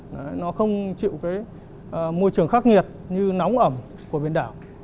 nó không chịu môi trường khắc nghiệt như nóng ẩm của biển đảo